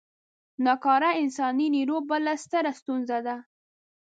نا کاره انساني نیرو بله ستره ستونزه ده.